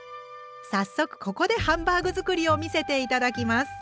早速ここでハンバーグ作りを見せて頂きます。